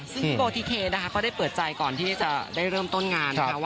ซึ่งโบทิเคก็ได้เปิดใจก่อนที่จะได้เริ่มต้นงาน